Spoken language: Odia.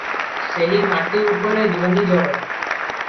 ସେହି ମାଟି ଉପରେ ଧୂନି ଜଳେ ।